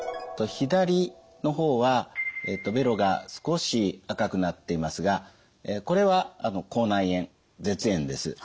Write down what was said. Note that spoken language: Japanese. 左の方はべろが少し赤くなっていますがこれは口内炎舌炎です。